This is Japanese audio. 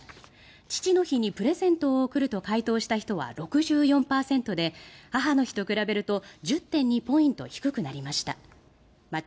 父の日にプレゼントを贈ると回答した人は６４％で母の日と比べると１０．２ポイント低くなりました。